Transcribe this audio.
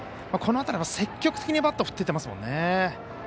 この辺り、積極的にバットを振っていってますもんね。